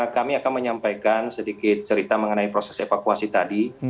kami akan menyampaikan sedikit cerita mengenai proses evakuasi tadi